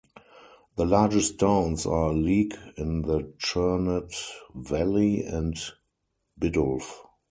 The largest towns are Leek in the Churnet valley and Biddulph.